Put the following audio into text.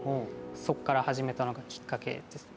そこから始めたのがきっかけです。